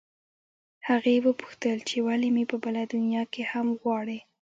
هغې وپوښتل چې ولې مې په بله دنیا کې هم غواړې